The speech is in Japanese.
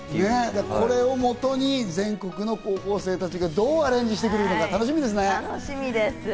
これを基に全国の高校生たちがどうアレンジしてくれるのか楽しみですね。